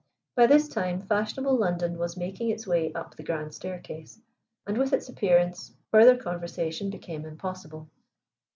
By this time fashionable London was making its way up the grand staircase, and with its appearance further conversation became impossible.